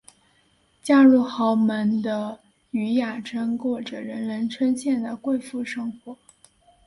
嫁入豪门的禹雅珍过着人人称羡的贵妇生活。